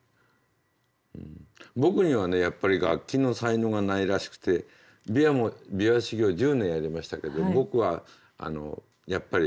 僕にはねやっぱり楽器の才能がないらしくて琵琶も琵琶修業１０年やりましたけど僕はやっぱり才能のなさに諦めました。